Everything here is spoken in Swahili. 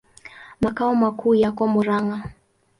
Makao makuu yako Murang'a.